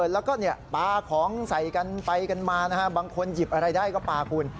แล้วก็ปลาของใส่กันไปกันมานะฮะบางคนหยิบอะไรได้ก็ปลาคุณ